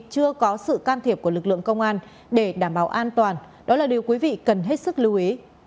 chưa có sự can thiệp của lực lượng công an để đảm bảo an toàn đó là điều quý vị cần hết sức lưu ý